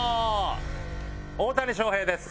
大谷翔平です！